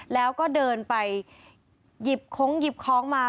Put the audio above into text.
แล้วก็เดินไปหยิบค้องหยิบของมา